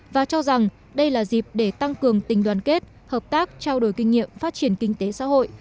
và cho rằng đây là dịp để tăng cường tình đoàn kết hợp tác trao đổi kinh nghiệm phát triển kinh tế xã hội